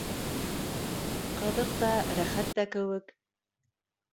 Ҡыҙыҡ та, рәхәт тә кеүек.